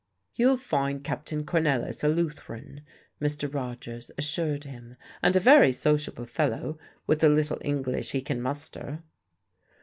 "You'll find Captain Cornelisz a Lutheran," Mr. Rogers assured him, "and a very sociable fellow, with the little English he can muster."